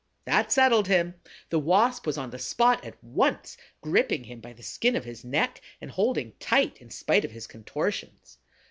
That settled him: the Wasp was on the spot at once, gripping him by the skin of his neck and holding tight in spite of his contortions.